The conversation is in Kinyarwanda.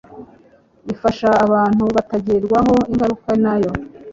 ifasha abantu kutagirwaho ingaruka nayo